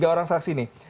tiga orang saksi ini